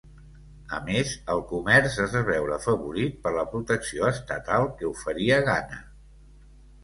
A més, el comerç es va veure afavorit per la protecció estatal que oferia Ghana.